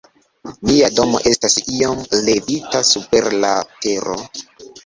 Nia domo estas iom levita super la tero.